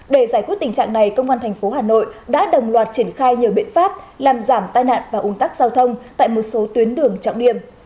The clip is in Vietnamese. để giải quyết tình trạng này công an thành phố hà nội đã đồng loạt triển khai nhiều biện pháp làm giảm tai nạn và ủn tắc giao thông tại một số tuyến đường trọng điểm